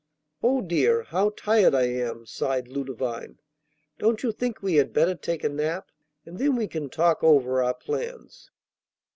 'Oh dear, how tired I am!' sighed Ludovine. 'Don't you think we had better take a nap? And then we can talk over our plans.